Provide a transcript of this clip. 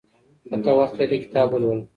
که ته وخت لرې کتاب ولوله.